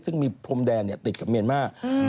ซึ่งมีพรมแดนติดกับเมียนมาร์